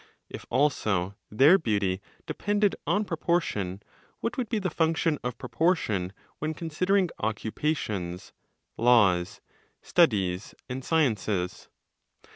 If also their beauty depended on proportion, what would be the function of proportion when considering occupations, laws, studies and sciences?